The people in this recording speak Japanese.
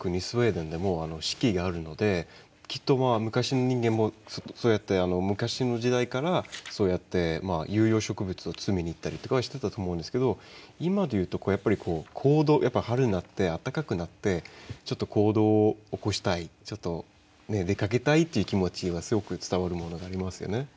スウェーデンでも四季があるのできっと昔の人間もそうやって昔の時代からそうやって有用植物を摘みに行ったりとかはしてたと思うんですけど今で言うとやっぱりこう春になって暖かくなってちょっと行動を起こしたいちょっと出かけたいっていう気持ちはすごく伝わるものがありますよね。